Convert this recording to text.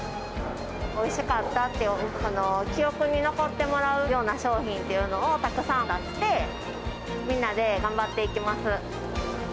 おいしかったって、記憶に残ってもらうような商品っていうのをたくさん出して、みんなで頑張っていきます。